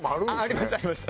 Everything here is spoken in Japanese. ありましたありました。